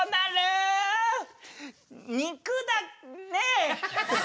「肉」だねえ。